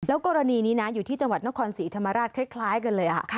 กรณีนี้นะอยู่ที่จังหวัดนครศรีธรรมราชคล้ายกันเลยค่ะ